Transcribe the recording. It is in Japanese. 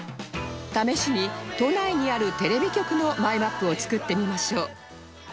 試しに都内にあるテレビ局のマイマップを作ってみましょう